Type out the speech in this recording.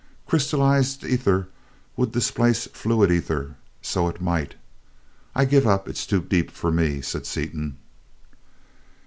Crystallized ether would displace fluid ether, so it might I'll give up! It's too deep for me!" said Seaton.